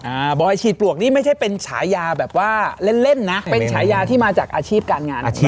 บอยฉีดปลวกนี่ไม่ใช่เป็นฉายาแบบว่าเล่นเล่นนะเป็นฉายาที่มาจากอาชีพการงานอาชีพ